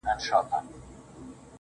چي بیا به څو درجې ستا پر خوا کږيږي ژوند؟